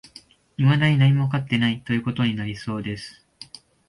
未だに何もわかっていない、という事になりそうです